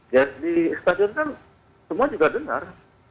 ya di stadion kan semua juga dengar